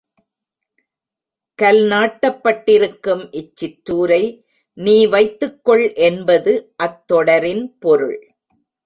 கல் நாட்டப்படிருக்கும் இச் சிற்றூரை நீ வைத்துக் கொள் என்பது அத்தொடரின் பொருள்.